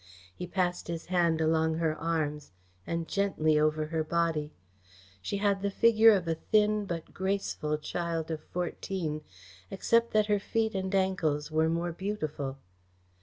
He passed his hand along her arms, and gently over her body. She had the figure of a thin but graceful child of fourteen, except that her feet and ankles were more beautiful.